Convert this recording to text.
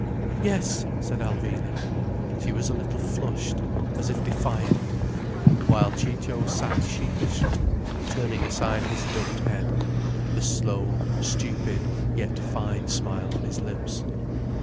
"Yes," said Alvina. She was a little flushed, as if defiant, while Ciccio sat sheepishly, turning aside his ducked head, the slow, stupid, yet fine smile on his lips.